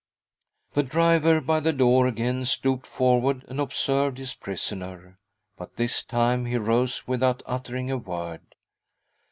The driver, by the door, again stooped forward and observed his prisoner — but this time he rose without uttering a word.